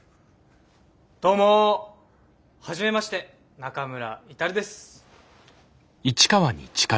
どうもはじめまして中村達です。